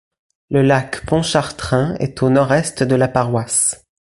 Le lac Pontchartrain est au nord-est de la paroisse.